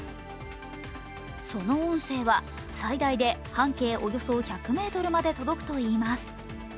その音声は最大で半径およそ１００ｍまで届くといいます。